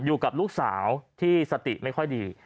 อยู่กับลูกสาวที่สติไม่ค่อยดี